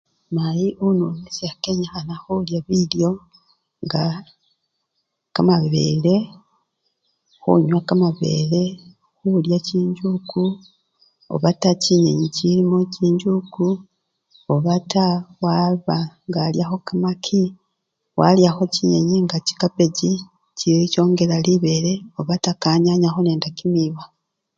Mayi ununisya kenyikhana khulya bilyo nga kamabele, khunywa kamabele, khulya chinjuku obata chinyenyi chilimo chinjuku obata waba nga alyakho kamaki, walyakho chinyenyi nga chikabechi chongela libele obata kanyanyakho nende kimiba.